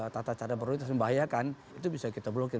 tata cara prioritas membahayakan itu bisa kita blokir